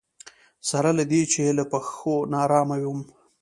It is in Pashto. سره له دې چې له پښو ناارامه وم.